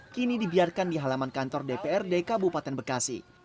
kini dibiarkan di halaman kantor dprd kabupaten bekasi